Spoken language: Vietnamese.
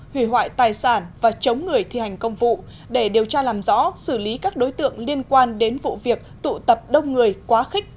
hủy hoại tài sản và chống người thi hành công vụ để điều tra làm rõ xử lý các đối tượng liên quan đến vụ việc tụ tập đông người quá khích